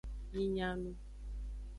Mi nya nu.